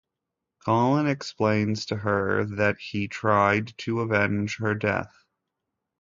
Colin explains to her that he tried to avenge her death.